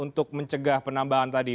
untuk mencegah penambahan tadi